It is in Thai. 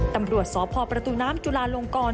ตำรวจสพประตูน้ำจุลาลงกร